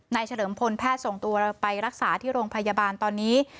เฉลิมพลแพทย์ส่งตัวไปรักษาที่โรงพยาบาลตอนนี้